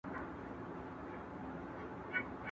د ملک باچا غریب مې هم د پی ټی وي پۀ شانې